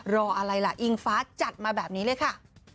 รออะไรล่ะอิงฟ้าจัดมาแบบนี้เลยค่ะ